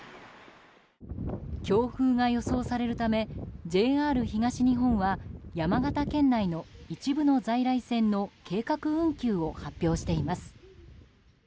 強風が予想されるためＪＲ東日本は山形県内の一部の在来線の計画運休を発表しています。